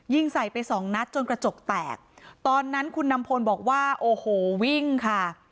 ยิงใส่ไปสองนัดจนกระจกแตกตอนนั้นคุณนำพลบอกว่าโอ้โหวิ่งค่ะ